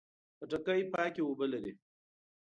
خټکی پاکه اوبه لري.